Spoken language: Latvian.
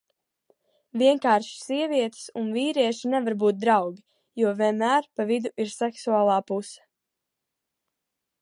Vienkārši sievietes un vīrieši nevar būt draugi, jo vienmēr pa vidu ir seksuālā puse.